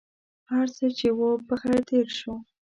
هرڅه چې و په خیر تېر شو.